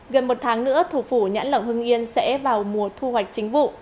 gần một tháng nữa thủ phủ nhãn lỏng hưng yên sẽ vào mùa thu hoạch chính vụ